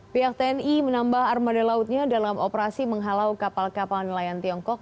pihak tni menambah armada lautnya dalam operasi menghalau kapal kapal nelayan tiongkok